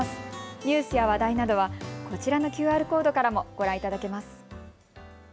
ニュースや話題などはこちらのＱＲコードからもご覧いただけます。